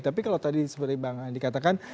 tapi kalau tadi seperti bang andi katakan